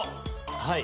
はい。